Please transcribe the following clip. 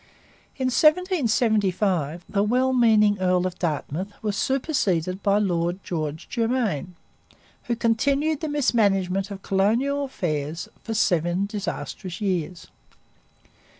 In 1775 the well meaning Earl of Dartmouth was superseded by Lord George Germain, who continued the mismanagement of colonial affairs for seven disastrous years.